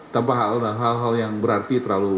tanpa hal hal yang berarti terlalu